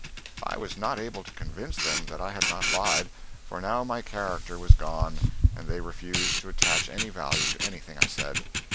I was not able to convince them that I had not lied, for now my character was gone, and they refused to attach any value to anything I said.